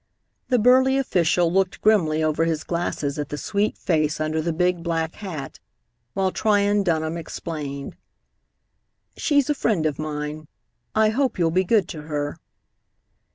The burly official looked grimly over his glasses at the sweet face under the big black hat, while Tryon Dunham explained, "She's a friend of mine. I hope you'll be good to her."